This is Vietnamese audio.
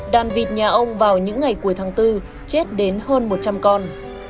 đàn vịt nhà ông vào những ngày cuối tháng bốn chết đến hơn một trăm linh con